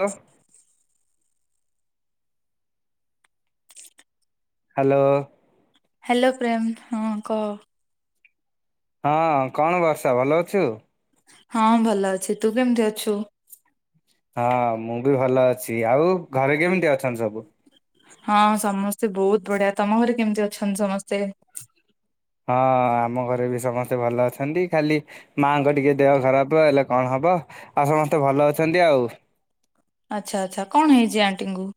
ହଁ [inaudible] hello. Hello Prem ହଁ କହ। ହଁ କଣ ବର୍ଷା ଭଲ ଅଛୁ? ହଁ ଭଲ ଅଛି ତୁ କେମିତି ଅଛୁ? ହଁ ମୁଁ ବି ଭଲ ଅଛି ଆଉ ଘରେ କେମିତି ଅଛନ୍ତି ସବୁ? ହଁ ସମସ୍ତେ ବହୁତ ବଢିଆ ତମ ଘରେ କେମିତି ଅଛନ୍ତି ସମସ୍ତେ? ହଁ ଆମ ଘରେ ବି ସମସ୍ତେ ଭଲ ଅଛନ୍ତି ଖାଲି ମାଆଙ୍କ ଟିକେ ଦେହ ଖରାପ ହେଲେ କଣ ହବ ଆଉ ସମସ୍ତେ ଭଲ ଅଛନ୍ତି ଆଉ। ଆଚ୍ଛା ଆଚ୍ଛା କଣ ହେଇଛି ଆଣ୍ଟିଙ୍କୁୁ?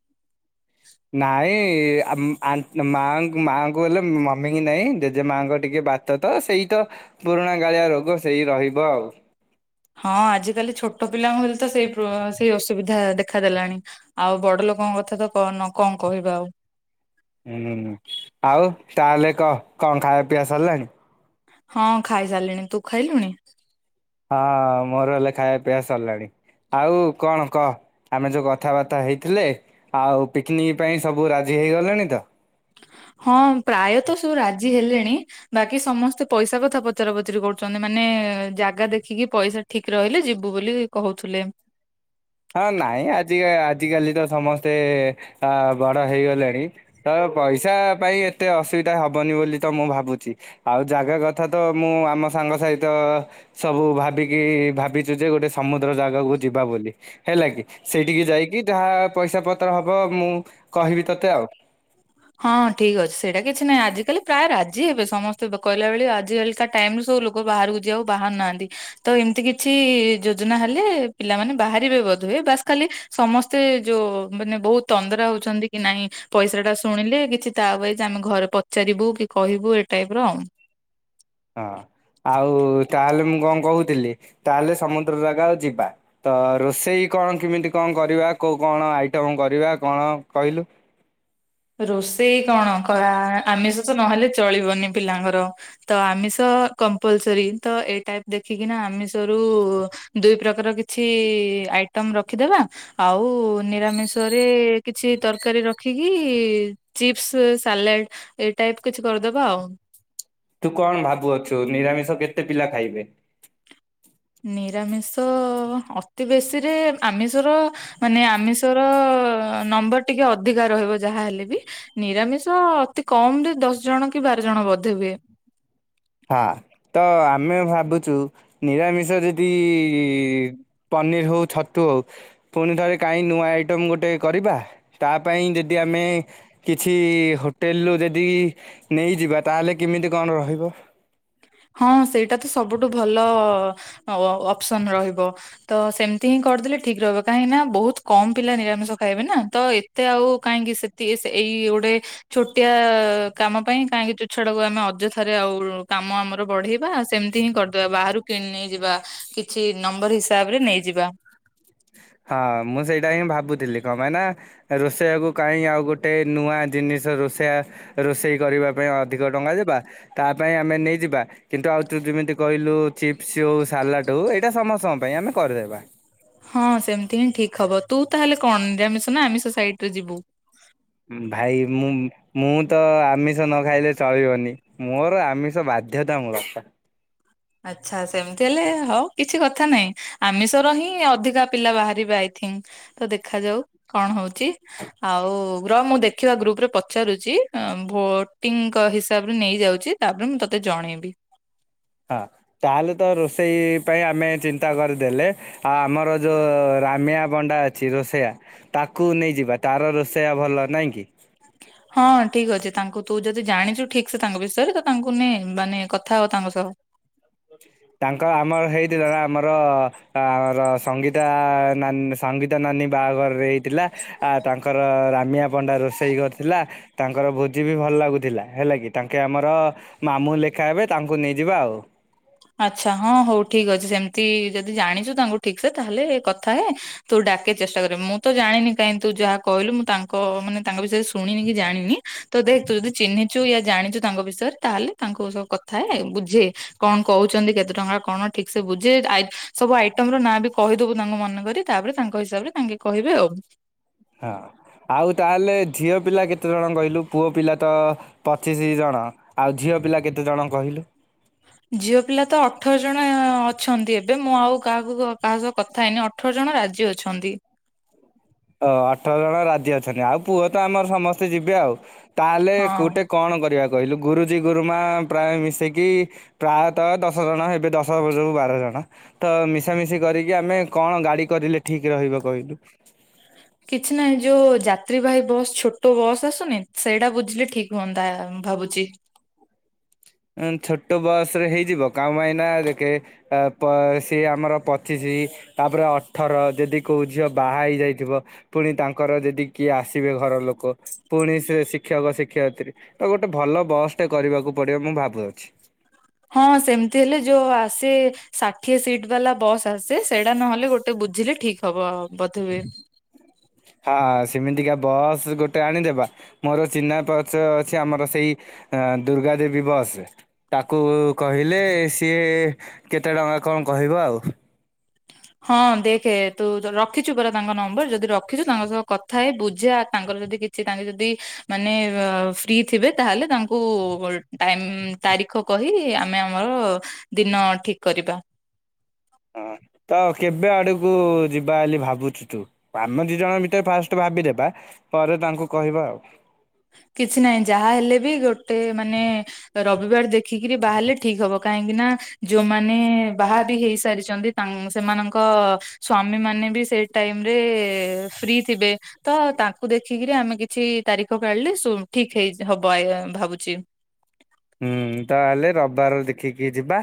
ନାଇଁ ଆମ୍ ଆ ମାଙ୍କୁ ମାଆଙ୍କୁ ହେଲେ ମମି କି ନାଇଁ ଜେଜେ ମାଆଙ୍କ ଟିକେ ବା ତ ତ ସେଇ ତ ପୁରୁଣା ଗାଳିଆ ରୋଗ ସେଇ ରହିବ ଆଉ। ହଁ ଆଜିିକାଲି ଛୋଟ ପିଲାଙ୍କୁ ହେଲେ ତ ସେଇ ପ୍ରୋ ସେଇ ଅସୁବିଧା ଦେଖାଦେଲାଣି। ଆଉ ବଡ ଲୋକଙ୍କ କଥା ତ କଣ ନ କହିବା ଆଉ। ହୁଁ ଆଉ ତାହେଲେ କ କଁ ଖାୟା ପିଆ ସର୍ଲାଣି? ହଁ ଖାଇ ସାରିଲିଣି ତୁ ଖାଇଲୁଣି? ହଁ ମୋର ହେଲେ ଖାୟା ପିଆ ସର୍ଲାଣି। ଆଉ କଣ କହ ଆମେ ଯୋଉ କଥାବାର୍ତ୍ତା ହେଇଥିଲେ ଆଉ ପିକ୍ନିକ୍ ପାଇଁ ସବୁ ରାଜି ହେଇଗଲେଣି ତ ହଁ ପ୍ରାୟତଃ ସବୁ ରାଜି ହେଲେଣି‌ ବାକି ସମସ୍ତେ ପଇସା କଥା ପଚରା ପଚାରି କରୁଚନ୍ତି ମାନେ ଜାଗା ଦେଖିକି ପଇସା ଠିକ୍ ରହିଲେ ଯିବୁ ବୋଲି କହୁଥିଲେ। ହଁ ନାଇଁ ଆଜି ଆଜିକାଲି ତ ସମସ୍ତେ ଅ ବଡ ହେଇଗଲେଣି ତ ପଇସା ପାଇଁ ଏତେ ଅସୁବିଧା ହବନି ବୋଲି ତ ମୁଁ ଭାବୁଚି ଆଉ ଜାଗା କଥା ତ ମୁଁ ଆମ ସାଙ୍ଗ ସହିତ ସବୁ ଭାବିକି ଭାବିଚୁ ଯେ ଗୋଟେ ସମୁଦ୍ର ଯାଗାକୁ ଯିବା ବୋଲି। ହେଲା କି ସେଇଠିକି ଯାଇକି ଯାହା ପଇସା ପତ୍ର ହବ ମୁଁ କହିବି ତୋତେ ଆଉ। ହଁ ଠିକ୍ ଅଛି ସେଇଟା କିଛି ନାହିଁ ଆଜିିକାଲି ପ୍ରାୟ ରାଜି ହେବେ ସମସ୍ତେ କହିଲା ଭଳି ଆଜିିକାଲି କା ଟାଇମ୍ ରୁ ସବୁ ଲୋକ ବାହାରକୁ ଯିବାକୁ ବାହାରୁ ନାହାନ୍ତି ତ ଏମିତି କିଛି ଯୋଜନା ହେଲେ ପିଲାମାନେ ବାହାରିବେ ବୋଧ ହୁଏ ବାସ୍ ଖାଲି ସମସ୍ତେ ଯୋଉ ମାନେ ବହୁତ ତନ୍ଦରା ହଉଚନ୍ତି କି ନାଇଁ ପଇସା ଟା ଶୁଣିଲେ କିଛି ତା ୱେଜ୍ ଆମେ ଘରେ ପଚାରିବୁ କି କହିବୁ ଏ ଟାଇପ୍ ର ଆଉ। ହଁ ଆଉ ତାହେଲେ ମୁଁ କଁ କହୁଥିଲି ତାହେଲେ ସମୁଦ୍ର ଜାଗା ଯିବା ତ ରୋଷେଇ କଣ କେମିତି କଁ କରିବା କୋଉ କଣ ଆଇଟମ୍ କରିବା କଣ କହିଲୁ। ରୋଷେଇ କଣ କରା ଆମିଷ ତ ନହେଲେ ଚଳିବନି ପିଲାଙ୍କର ତ ଆମିଷ କମ୍ପଲସରୀ ତ ଏ ଟାଇପ୍ ଦେଖିକିନା ଆମିଷ ‌ରୁ ଦୁଇ ପ୍ରକାର କିଛି ଆଇଟମ୍ ରଖିଦବା। ଆଉ ନିରାମିଷରେ କିଛି ତରକାରୀ ରଖିକି ଚିପ୍ସ୍ ସାଲାଡ୍ ଏଇ ଟାଇପ୍ କିଛି କରିଦବା ଆଉ। ତୁ କଣ ଭାବୁଅଛୁ ନିରାମିଷ କେତେ ପିଲା ଖାଇବେ। ନିରାମିଷ ଅତି ବେଶୀରେ ଆମିଷର। ମାନେ ଆମିଷର ନମ୍ବର ଟିକେ ଅଧିକା ରହିବ ଯାହାହେଲେ ବି। ନିରାମିଷ ଅତି କମ୍ ରେ ଦଶ ଜଣ କି ବାର ଜଣ ବଧେ ହୁଏ। ହଁ ତ ଆମେ ଭାବୁଛୁ ନିରାମିଷ ଯଦି ଇ-ଇ-ଇ ପନିର୍ ହୋଉ, ଛତୁ ହୋଉ। ପୁଣିଥରେ କାହିଁ ନୂଆ ଆଇଟମ୍ ଗୋଟେ କରିବା ତା ପାଇଁ ଯଦି ଆମେ କିଛି ହୋଟେଲରୁୁ ଯଦି ନେଇଯିବା ତାହେଲେ କେମିତି କଣ ରହିବ? ହଁ ସେଇଟା ତ ସବୁଠୁ ଭଲ ଅ-ଅପ୍ ସନ୍ ରହିବ। ତ ସେମିତି ହିଁ କରିଦେଲେ ଠିକ୍ ରହିବ, କାହିଁକି ନା ବୋହୁତ୍ କମ୍ ପିଲା ନିରାମିଷ ଖାଇବେ ନା ତ ଏତେ ଆଉ କାହିଁକି ସେ ଏ ସେ ଏଇ ଗୋଟେ ଛୋଟିଆ କାମ ପାଇଁ କାହିଁକି ତୁଛାଟାକୁ ଆମେ ଅଯଥାରେ ଆଉ। କାମ ଆମର ବଢେଇବା ସେମିତି ହିଁ କରିଦବା ବାହାରୁ କିଣି ନେଇ ଯିବା କିଛି ନମ୍ବର ହିସାବରେ ନେଇଯିବା। ହଁ ମୁଁ ସେଇଟା ହିଁ ଭାବୁଥିଲି କଣ ପାଇଁ ନା ରୋଷେଇୟାକୁ କାହିଁ ଆଉ ଗୋଟେ ନୂଆ ଜିନିଷ ରୋଷେୟା ରୋଷେଇ କରିବା ପାଇଁ ଅଧିକ ଟଙ୍କା ଦେବା ତା ପାଇଁ ଆମେ ନେଇଯିବା। କିନ୍ତୁ ଆଉ ତୁ ଯେମିତି କହିଲୁ ଚିପ୍ସ ହଉ ସାଲାଟ ହଉ ଏଇଟା ସମସ୍ତଙ୍କ ପାଇଁ ଆମେ କରିଦେବା। ହଁ ସେମିତି ହିଁ ଠିକ୍ ହବ ତୁ ତାହେଲେ କଣ ନିରାମିଷ ନା ଆମିଷ ସାଇଡି ରେ ଯିବୁ। ଭାଇ ମୁଁ ମୁଁ ତ ଆମିଷ ନ ଖାଇଲେ ଚଳିବନି। ମୋର ଆମିଷ ବାଧ୍ୟତା ମୂଳକ। ଆଚ୍ଛା ସେମିତି ହେଲେ ହଉ କିଛି କଥା ନାହିଁ। ଆମିଷର ହିଁ ଅଧିକା ପିଲା ବାହାରିବେ ଆଇ ଥିଙ୍କ ତ ଦେଖାଯାଉ କଣ ହଉଛି। ଆଉ ରହ ମୁଁ ଦେଖିବା ଗ୍ରୁପ ରେ ପଚାରୁଛି ଭୋଟିଂଙ୍କ ହିସାବରେ ନେଇଯାଉଛି। ତାପରେ ମୁଁ ତତେ ଜଣେଇବି। ହଁ ତାହେଲେ ତ ରୋଷେଇ ପାଇଁ ଆମେ ଚିନ୍ତା କରିଦେଲେ। ଆଉ ଆମର ଯୋଉ ରାମିୟା ପଣ୍ଡା ଅଛି ରୋଷେୟା। ତାକୁ ନେଇଯିବା ତାର ରୋଷେୟା ଭଲ ନାଇଁ କି। ହଁହଁ ଠିକ ଅଛି ତାଙ୍କୁ ତୁ ଯଦି ଜାଣିଛୁ ଠିକ ସେ ତାଙ୍କ ବିଷୟରେ ତ ତାଙ୍କୁ ନେ ମାନେ କଥା ହ ତାଙ୍କ ସହ। ତାଙ୍କ ଆମର ହେଇଥିଲା ନା ଆମର ର ସଙ୍ଗୀତା ନାନୀ। ସଙ୍ଗୀତ ନାନୀ ବାହାଘରରେ ହେଇଥିଲା ଆ ତାଙ୍କର ରାମିଆ ପଣ୍ଡା ରୋଷେଇ କରିଥିଲା। ତାଙ୍କର ଭୋଜି ବି ଭଲ ଲାଗୁଥିଲା ହେଲା କିି ତାଙ୍କେ ଆମର ମାମୁଁ ଲେଖା ହେବେ ତାଙ୍କୁ ନେଇଯିବା ଆଉ। ଆଛା ହଁ ହଉ ଠିକ ଅଛି ସେମିତି ଯଦି ଜାଣିଛୁ ତାଙ୍କୁ ଠିକ ସେ ତାହେଲେ କଥା ହେ। ତୁ ଡାକେ ଚେଷ୍ଟା କରିବୁ ମୁଁ ତ ଜାଣିନି କାହିଁ ତୁ ଯାହା କହିଲୁ ମୁଁ ତାଙ୍କ ମାନେ ତାଙ୍କ ବିଷୟରେ ଶୁଣିନି କି ଜାଣିନି ତ ଦେଖ୍ ତୁ ଯଦି ଚିହ୍ନି ଚୁ ୟା ଜାଣିଛୁ ତାଙ୍କ ବିଷୟରେ ତାହେଲେ ତାଙ୍କୁ ସବୁ କଥା ହେ ବୁଝେ କଣ କହୁଛନ୍ତି କେତେ ଟଙ୍କା କଣ ଠିକ ସେ ବୁଝେ ଆ ସବୁ ଆଇଟମ ର ନାଁ ବି କହିଦବୁ ତାଙ୍କୁ ମନେକରି ତାପରେ ତାଙ୍କ ହିସାବରେ ତାଙ୍କେ କହିବେ ଆଉ। ହଁ ଆଉ ତାହେଲେ ଝିଅ ପିଲା କେତେଜଣ କହିଲୁ ପୁଅ ପିଲା ତ ପଚିଶି ଜଣ ଆଉ ଝିଅ ପିଲା କେତେ ଜଣ କହିଲୁ। ଝିଅ ପିଲା ତ ଅଠର ଜଣ ଅଛନ୍ତି ଏବେ ମୁଁ ଆଉ କାହାକୁ କାହା ସହ କଥା ହେଇନି ଅଠ ଅଠର ଜଣ ରାଜି ଅଛନ୍ତି। ଓ ଅଠର ଜଣ ରାଜି ଅଛନ୍ତି ଆଉ ପୁଅ ତ ଆମର ସମସ୍ତେ ଯିବେ ଆଉ। ତାହେଲେ ହଁ। ଗୋଟେ କଣ କରିବା କହିଲୁ ଗୁରୁଜୀ ଗୁରୁମା ପ୍ରାୟ ମିଶି କି ପ୍ରାୟତଃ ଦଶ ଜଣ ହେବେ ଦଶରୁ ବୁଜୁ ବାର ଜଣ। ତ ମିଶାମିଶି କରିକି ଆମେ କଣ ଗାଡି କରିଲେ ଠିକ ରହିବ କହିଲୁ? [inaudible] କିଛି ନାହିଁ ଯୋଉ ଯାତ୍ରୀବାହୀ ବସ୍ ଛୋଟ ବସ୍ ଆସୁନି। ସେଇଟା ବୁଝିଲେ ଠିକ ହୁଅନ୍ତା ମୁଁ ଭାବୁଛି। ଛୋଟ ବସ ରେ ହେଇଯିବ କା ପାଇଁନା ଦେଖେ ଅ ପ ସି ଆମର ପଚିଶି ତାପରେ ଅଠର ଯଦି କୋଉ ଝିଅ ବାହା ହେଇ ଯାଇଥିବ। ପୁଣି ତାଙ୍କର ଯଦି କିଏ ଆସିବେ ଘର ଲୋକ। ପୁଣି ସେ ଶିକ୍ଷକ ଶିକ୍ଷୟିତ୍ରୀ ତ ଗୋଟେ ଭଲ ବସ୍ ଟେ କରିବାକୁ ପଡିବ ମୁଁ ଭାବୁଅଛି। ହଁ ସେମିତି ହେଲେ ଯୋଉ ଆସେ ଷାଠିଏ ସିଟ ବାଲା ବସ୍ ଆସେ ସେଇଟା ନହେଲେ ଗୋଟେ ବୁଝିଲେ ଠିକ। ହବ ବଧ ହୁଏ। [inaudible] ହଁ ସେମିତିକା ବସ୍ ଗୋଟେ ଆଣିଦବା। ମୋର ଚିହ୍ନା ପଚ ଅଛି ଆମର ସେଇ ହଁ ଦୁର୍ଗା ଦେବୀ ବସ ତାକୁ କହିଲେ ସିଏ କେତେ ଟଙ୍କା କଣ କହିବ ଆଉ? ହଁ ଦେଖେ ତୁ ରଖିଛୁ ପରା ତାଙ୍କ ନମ୍ବର ଯଦି ରଖିଛୁ। ତାଙ୍କ ସହ କଥା ହେଇ ବୁଝା ତାଙ୍କର ଯଦି କି ତାଙ୍କେ ଯଦି ମାନେ ଫ୍ରି ଥିବେ। ତାହେଲେ ତାଙ୍କୁ ଟାଇମ୍ ତାରିଖ କହି ଆମେ ଆମର ଦିନ ଠିକ କରିବା। ହଁ ତ କେବେ ଆଡକୁ ଯିବା ଏଲି ଭାବୁଛୁ ତୁ। ଆମେ ଦି ଜଣ ଭିତରେ ଫାଷ୍ଟ ଭାବିଦେବା ପରେ ତାଙ୍କୁ କହିବା ଆଉ। କିଛି ନାହିଁ ଯାହା ହେଲେ ବି ଗୋଟେ ମାନେ ରବିବାର ଦେଖିକିରି ବାହାରିଲେ ଠିକ ହବ। କାହିଁକି ନା ଯୋଉମାନେ ବାହା ବି ହେଇସାରିଛନ୍ତି ସେମାନଙ୍କ ସ୍ଵାମୀ ମାନେ ବି ସେ ଟାଇମ ରେ ଫ୍ରି ଥିବେ। ତ ତାଙ୍କୁ ଦେଖିକିରି ଆମେ କିଛି ତାରିଖ କାଢିଲେ ଠିକ ହେଇ ହବ ଭାବୁଛି। ହୁଁ ତାହେଲେ ରବିବାର ଦେଖିକି ଯିବା।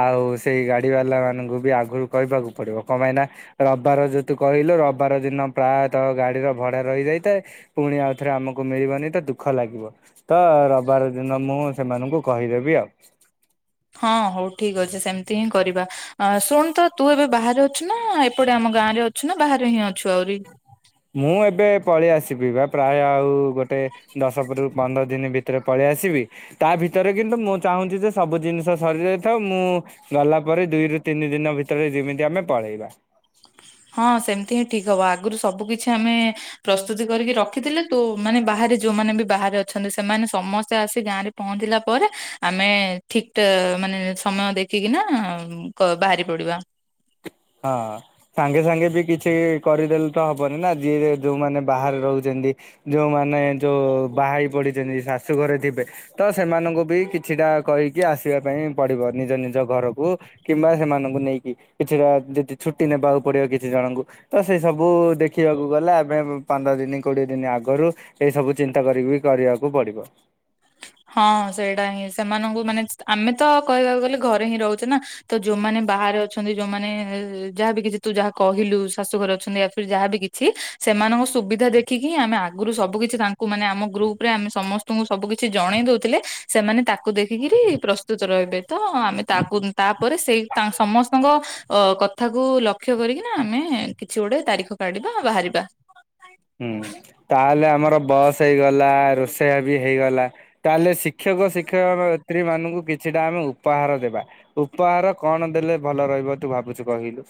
ଆଉ ସେଇ ଗାଡ଼ି ବାଲାମାନଙ୍କୁ ବି ଆଗରୁ କହିବାକୁ ପଡ଼ିବ। କଣ ପାଇଁନା ରବିବାର ଯୋତୁ କହିଲୁ ରବିବାର ଦିନ ପ୍ରାୟତଃ ଗାଡିର ଭଡା ରହିଯାଇଥାଏ। ପୁଣି ଆଉଥରେ ଆମକୁ ମିଳିବନି ତ ଦୁଃଖ ଲାଗିବ। ତ ରବିବାର ଦିନ ମୁଁ ସେମାନଙ୍କୁ କହିଦେବି ଆଉ। ହଁ ହଉ ଠିକ ଅଛି ସେମିତି ହିଁ କରିବା ଶୁଣୁ ତ ତୁ ଏବେ ବାହାରେ ଅଛୁ ନା ଏପଟେ ଆମ ଗାଁ ରେ ଅଛୁ ନା ବାହାରେ ହିଁ ଅଛୁ ଆହୁରି। ମୁଁ ଏବେ ପଳେଇ ଆସିିବି ବା ପ୍ରାୟ ଆଉ ଗୋଟେ ଦଶରୁ ପନ୍ଦର ଦିନ ଭିତରେ ପଳେଇ ଆସିବି। ତା ଭିତରେ କିନ୍ତୁ ମୁଁ ଚାହୁଁଛି ଯେ ସବୁ ଜିନିଷ ସରି ଯାଇଥାଉ। ମୁଁ ଗଲା ପରେ ଦୁଇରୁୁ ତିନି ଦିନ ଭିତରେ ଯେମିତି ଆମେ ପଳେଇବା। ହଁ ସେମତି ହିଁ ଠିକ୍ ହବ ଆଗରୁ ସବୁ କିଛି ଆମେ ପ୍ରସ୍ତୁତି କରିକି ରଖିଥିଲେ ତୁ ମାନେ ବାହାରେ ଯୋଉମାନେ ବି ବାହାରେ ଅଛନ୍ତି। ସେମାନେ ସମସ୍ତେ ଆସି ଗାଁ ରେ ପହଞ୍ଚିଲା ପରେ ଆମେ ଠିକ ମାନେ ସମୟ ଦେଖିକିନା ବାହାରି ପଡିବା। ହଁ। ସାଙ୍ଗେ ସାଙ୍ଗେ ବି କିଛି କରିଦେଲେ ତ ହବନି ନା ଯିଏ ଯୋଉମାନେ ବାହାରେ ରହୁଛନ୍ତି। ଯୋଉମାନେ ଯୋଉ ବାହା ହେଇ ପଡିଛନ୍ତି ଶାଶୁ ଘରେ ଥିବେ ତ ସେମାନଙ୍କୁ ବି କିଛିଟା କହିକି ଆସିବା ପାଇଁ ପଡିବ ନିଜ ନିଜ ଘରକୁ କିମ୍ବା ସେମାନଙ୍କୁ ନେଇକି କିଛିଟା ଯଦି ଛୁଟି ନେବାକୁ ପଡିବ କିଛି ଜଣଙ୍କୁ ତ ସେ ସବୁ ଦେଖିବାକୁ ଗଲା ଆମେ ପନ୍ଦର ଦିନ କୋଡିଏ ଦିନ ଆଗରୁ ଏଇ ସବୁ ଚିନ୍ତା କରିକି ବି କରିବାକୁ ପଡିବ। ହଁ ସେଇଟା ହିଁ ସେମାନଙ୍କୁ ମାନେ ଆମେ ତ କହିବାକୁ ଗଲେ ଘରେ ହିଁ ରହୁଛେ ନା ତ ଯୋଉମାନେ ବାହାରେ ଅଛନ୍ତି ଯୋଉମାନେ ଯାହାବି କିଛି ତୁ ଯାହା କହିଲୁ ଶାଶୁଘରେ ଅଛନ୍ତି ଯାହାଵି କିଛି ସେମାନଙ୍କ ସୁବିଧା ଦେଖିକି ହିଁ ଆମେ ଆଗରୁ ସବୁ କିଛି ତାଙ୍କୁ ମାନେ ଆମ ଗ୍ରୁପ ରେ ଆମେ ସମସ୍ତଙ୍କୁ ସବୁ କିଛି କିଛି ଜଣେଇ ଦଉଥିଲେ ସେମାନେ ତାକୁ ଦେଖିକିରି ପ୍ରସ୍ତୁତ ରହିବେ ତ ଆମେ ତାକୁ ତାପରେ ସେଇ ତାଙ୍କ ସମସ୍ତଙ୍କ କଥାକୁ ଲକ୍ଷ୍ୟ କରିକିନା ଆମେ କିଛି ଗୋଟେ ତାରିଖ କାଢିବା ବାହାରିବା। ହୁଁ ତାହେଲେ ଆମର ବସ୍ ହେଇଗଲା ରୋଷେଇ ବି ହେଇଗଲା ତାହେଲେ ସିକ। ଶିକ୍ଷକ, ଶିକ୍ଷୟିତ୍ରୀ ମାନଙ୍କୁ କିଛିଟା ଆମେ ଉପହାର ଦେବା। ଉପହାର କଣ ଦେଲେ ଭଲ ରହିବ ତୁ ଭାବୁଛୁ କହିଲୁ?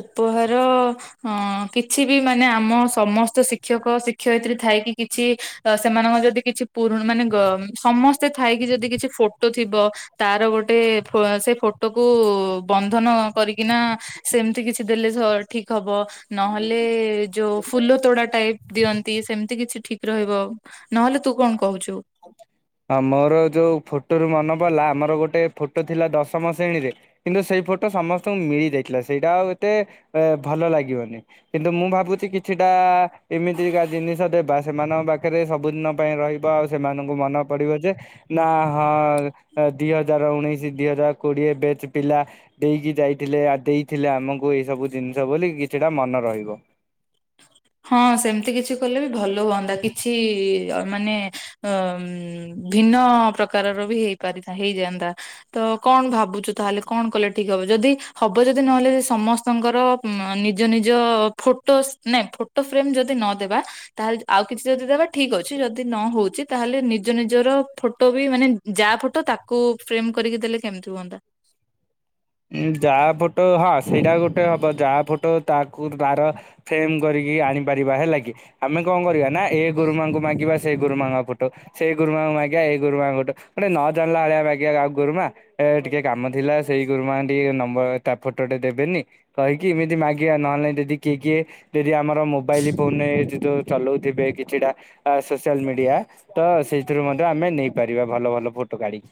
ଉପହାର ହଁ କିଛି ବି ମାନେ ଆମ ସମସ୍ତ ଶିକ୍ଷକ ଶିକ୍ଷୟିତ୍ରୀ ଥାଇକି କିଛି ତ ସେମାନଙ୍କ ଯଦି କିଛି ପୁରୁଣ ମାନେ ସମସ୍ତେ ଥାଇକି ଯଦି କିଛି ଫଟୋ ଥିବ। ତାର ଗୋଟେ ସେ ଫଟୋକୁୁ ବନ୍ଧନ କରିକିନା ସେମିତି କିଛି ଦେଲେ ଠିକ ହବ ନହେଲେ ଯୋଉ ଫୁଲ ତୋଡା ଟାଇପ୍। ଦିଅନ୍ତି ସେମିତି କିଛି ଠିକ ରହିବ ନହେଲେ ତୁ କଣ କହୁଛୁ। ହଁ ମୋର ଯୋଉ ଫୋଟୋରୁ ମନେ ପଡିଲା ଆମର ଗୋଟେ ଫୋଟୋ ଥିଲା ଦଶମ ଶ୍ରେଣୀରେ। କିନ୍ତୁ ସେଇ ଫଟୋ ସମସ୍ତଙ୍କୁ ମିଳି ଦେଖିବା ସେଇଟା ଆଉ ଏତେ ଭଲ ଲାଗିବନି। କିନ୍ତୁ ମୁଁ ଭାବୁଛି କିଛିଟା ଏମିତିକା ଜିନିଷ ଦେବା ସେମାନଙ୍କ ପାଖରେ ସବୁଦିନ ପାଇଁ ରହିବ ଆଉ ସେମାନଙ୍କୁ ମନେ ପଡିବ ଯେ ନା ହଁ ଦି ହଜାର ଉଣେଇଶି ଦି ହଜାର କୋଡିଏ ବେଚ ପିଲା। ଦେଇକି ଯାଇଥିଲେ ଦେଇଥିଲେ ଆମକୁ ଏଇ ସବୁ ଜିନିଷ ବୋଲି କିଛିଟା ମନେ ରହିବ। ହଁ ସେମିତି କିଛି କଲେ ବି ଭଲ ହୁଅନ୍ତା କିଛି ମାନେ ଭିନ୍ନ ପ୍ରକାରର ବି ହେଇପାରିଥା ହେଇଯାଆନ୍ତା। ତ କଣ ଭାବୁଛୁ ତାହେଲେ କଣ କଲେ ଠିକ ହବ ଯଦି ହବ ଯଦି ନହେଲେ ସମସ୍ତଙ୍କର। ନିଜ ନିଜ ଫଟୋ ନାଇଁ ଫଟୋ ଫ୍ରେମ ଯଦି ନଦବା। ତାହେଲେ ଆଉ କିଛି ଯଦି ଦେବା ଠିକ ଅଛି ଯଦି ନ ହଉଛି ତାହେଲେ ନିଜ ନିଜର ଫଟୋ ବି ମାନେ ଯାହା ଫଟୋ ତାକୁ ଫ୍ରେମ କରିକି ଦେଲେ କେମିତି ହୁଅନ୍ତା। ଯାହା ଫଟୋ ହଁ ସେଇଟା ଗୋଟେ ହବ ଯାହା ଫଟୋ ତାକୁ ତାର। ଫ୍ରେମ କରିକି ଆଣିପାରିବା ହେଲା କିି ଆମେ କଣ କରିବା ନା ଏ ଗୁରୁମାଙ୍କୁ ମାଗିବା। ସେଇ ଗୁରୁମାଙ୍କ ଫଟେ। ସେଇ ଗୁରୁମାଙ୍କୁ ମାଗିବା ଏଇ ଗୁରୁମାଙ୍କ ଫଟୋ ନଅ ପାଣିଲା ଭଳିଆ ମାଗିବା ଆଉ ଗୁରୁମା। ଏ ଟିକେ କାମ ଥିଲା ସେଇ ଗୁରୁମା ଟିକେ ନମ୍ବର ତା ଫଟୋଟେ ଦେବେନି। କହିକି ଏମିତି ମାଗିବା ନହେଲେ ନାହିଁଯଦି କିଏ କିଏ। ଯଦି ଆମର ମୋବାଇଲ ଫୋନ ରେ ଯୋଉ ଚଲଉଥିବେ କିଛିଟା। ସୋସିଆଲ ମିଡିଆ ତ ସେଇଥିରୁ ମଧ୍ୟ ଆମେ ନେଇପାରିବା ଭଲ ଭଲ ଫୋଟୋ କାଢିକି।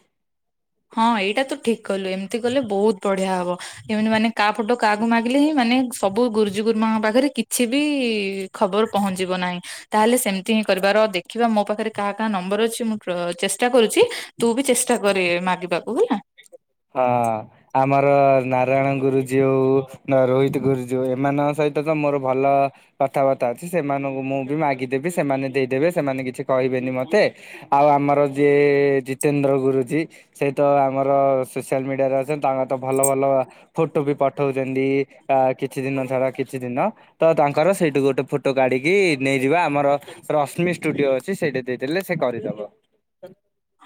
ହଁ ଏଇଟା ତ ଠିକ କଲୁ ଏମିତି କଲେ ବହୁତ ବଢିଆ ହବ ଏମିତି ମାନେ କାହା ପଟ। କହାକୁ ମାଗିଲେ ହିଁ ମାନେ ସବୁ ଗୁରୁଜୀ ଗୁରୁମାଙ୍କ ପାଖରେ କିଛି ବି ଖବର ପହଞ୍ଚିବ ନାହିଁ। ତାହେଲେ ସେମିତି ହିଁ କରିବା ରହ ଦେଖିବା ମୋ ପାଖରେ କାହା କାହା ନମ୍ବର ଅଛି ମୁଁ ଚେଷ୍ଟା କରୁଛି। ତୁ ବି ଚେଷ୍ଟା କରେ ମାଗିବାକୁ ହେଲା। ହଁ। ଆମର ନାରାୟଣ ଗୁରୁଜୀଉ ହଉ ରୋହିତ ଗୁରୁଜୀ ଏମାନଙ୍କ ସହିତ ତ ମୋର ଭଲ। କଥାବାର୍ତ୍ତା ଅଛି ସେମାନଙ୍କୁ ମୁଁ ବି ମାଗିଦେବି ସେମାନେ ଦେଇଦେବେ ସେମାନେ କିଛି କହିବେନି ମତେ। ଆଉ ଆମର ଯିଏ ଜିତେନ୍ଦ୍ର ଗୁରୁଜୀ ସେଇ ତ ଆମର। ସୋସିଆଲ ମିଡିଆରେ ଅଛନ୍ତି ତାଙ୍କର ତ ଭଲ ଭଲ। ଫଟୋ ବି ପଠଉଛନ୍ତି ଆ କିଛି ଦିନ ଛଡା କିଛି ଦିନ। ତ ତାଙ୍କର ସେଇଠୁ ଗୋଟେ ଫୋଟୋ କାଢିକି ନେଇଯିବା ଆମର। ରଶ୍ମି ଷ୍ଟୁଡିଓ ଅଛି ସେଇଠି ଦେଇଥିଲେ ସେ କରିଦବ।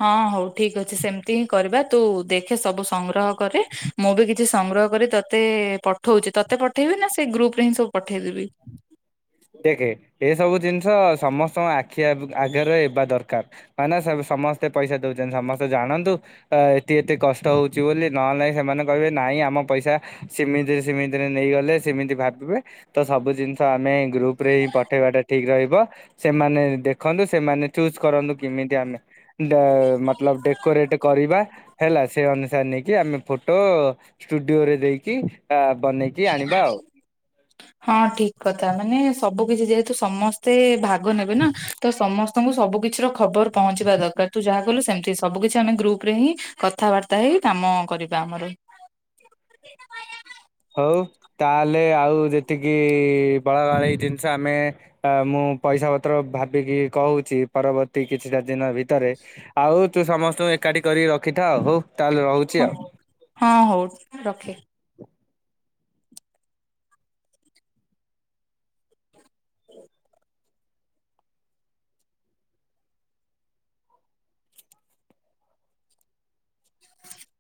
ହଁ ହଉ ଠିକ ଅଛି ସେମତି ହିଁ କରିବା ତୁ ଦେଖେ ସବୁ ସଂଗ୍ରହ କରେ। ମୁଁ ବି କିଛି ସଂଗ୍ରହ କରି ତୋତେ ପଠଉଛି ତୋତେ ପଠେଇବି ନା ସେଇ ଗ୍ରୁପ ରେ ହିଁ ସବୁ ପଠେଇଦେବି। ଦେଖ ଏ ସବୁ ଜିନିଷ ସମସ୍ତଙ୍କ ଆଖି ଆ ଆଗରେ ହେବା ଦରକାର। ମାନେ ସ ସମସ୍ତେ ପଇସା ଦଉଛନ୍ତି ସମସ୍ତେ ଜାଣନ୍ତୁ। ଅ ଏତେ ଏତେ କଷ୍ଟ ହଉଛି ବୋଲି ନହେଲେ ସେମାନେ କହିବେ ନାଇଁ ଆମ ପଇସା। ସେମିତିରେ ସେମିତିରେ ନେଇଗଲେ ସେମିତି ଭାବିବେ ତ ସବୁ ଜିନିଷ ଆମେ ଗ୍ରୁପ ରେ ଏହି ପଠେଇବାଟା ଠିକ୍ ରହିବ। ସେମାନେ ଦେଖନ୍ତୁ ସେମାନେ ଚୁଜ କରନ୍ତୁ କେମିତି ଆମେ। ମତଲବ ଡେକୋରେଟ କରିବା ହେଲା ସେ ଅନୁସାରେ ନେଇକି ଆମେ ଫଟୋ ଷ୍ଟୁଡିଓରେ ଦେଇକି ଆ ବନେଇକି ଆଣିବା ଆଉ। ହଁ ଠିକ କଥା ମାନେ ସବୁ କିଛି ଯେହେତୁ ସମସ୍ତେ ଭାଗ ନେବେ ନା ତ ସମ ତାଙ୍କୁ ସବୁ କିିଛି ର ଖବର ପହଞ୍ଚିବା ଦରକାର ତୁ ଯାହା କଲୁ ସେମିତି ସବୁ କିିଛି ଆମେ ଗ୍ରୁପରେ ହିଁ। କଥାବାର୍ତ୍ତା ହେଇ କାମ କରିବା ଆମର। ହଉ ତାହେଲେ ଆଉ ଯେତିକି ବଳା ଭଳି ଜିନିଷ ଆମେ। ଆ ମୁଁ ପଇସା ପତ୍ର ଭାବିକି କହୁଛି ପରବର୍ତ୍ତୀ କିଛିଟା ଦିନ ଭିତରେ ଆଉ ତୁ ସମସ୍ତଙ୍କୁ ଏକାଠି କରିକି ରଖିଥା ହଉ ତାହେଲେ ରହୁଛି ହଁ ଆଉ। ହଁ ହଉ ରଖେ। [unintelligible]